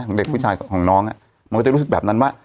เด็กผู้ชายของน้องมันก็จะรู้สึกแบบนั้นว่า